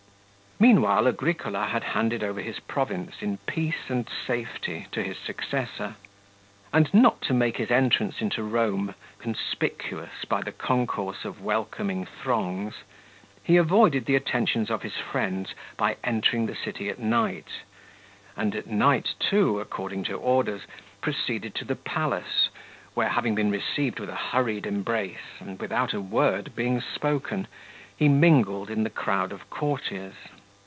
Meanwhile Agricola had handed over his province in peace and safety to his successor. And not to make his entrance into Rome conspicuous by the concourse of welcoming throngs, he avoided the attentions of his friends by entering the city at night, and at night too, according to orders, proceeded to the palace, where, having been received with a hurried embrace and without a word being spoken, he mingled in the crowd of courtiers.